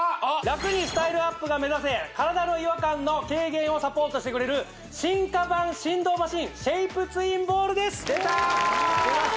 楽にスタイルアップが目指せ体の違和感の軽減をサポートしてくれる進化版振動マシン出たっ！